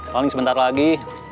paling sebentar lagi